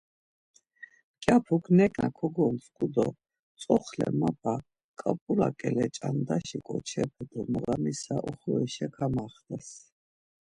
Mǩyapuk neǩna koguntzǩu do tzoxle Mapa, ǩap̌ula ǩele ç̌andaşi ǩoçepe do noğamisa oxorişa kamaxtes.